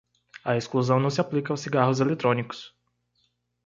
A exclusão não se aplica aos cigarros eletrónicos.